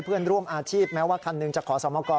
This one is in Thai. เพื่อนร่วมอาชีพแม้ว่าคันหนึ่งจะขอสมกร